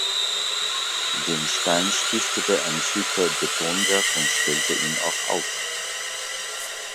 Den Stein stiftete ein Syker Betonwerk und stellte ihn auch auf.